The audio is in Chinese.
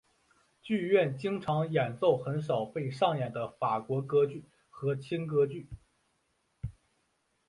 剧院经常演奏很少被上演的法国歌剧和轻歌剧。